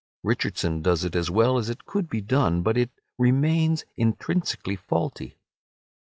Richardson does it as well as it could be done, but it remains intrinsically faulty.